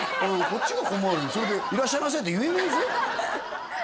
こっちが困るそれで「いらっしゃいませ」って言えねえぜ？